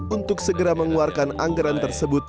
untuk segera mengeluarkan anggaran tersebut